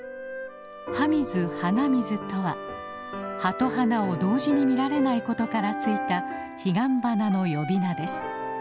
葉見ず花見ずとは葉と花を同時に見られないことから付いたヒガンバナの呼び名です。